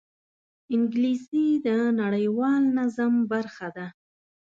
انګلیسي د نړیوال نظم برخه ده